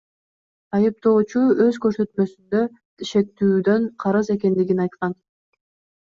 Айыптоочу өз көрсөтмөсүндө шектүүдөн карыз экендигин айткан.